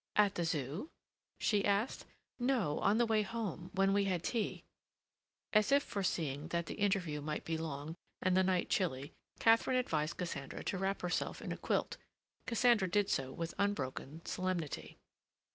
"At the Zoo?" she asked. "No, on the way home. When we had tea." As if foreseeing that the interview might be long, and the night chilly, Katharine advised Cassandra to wrap herself in a quilt. Cassandra did so with unbroken solemnity.